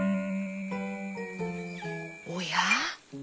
おや？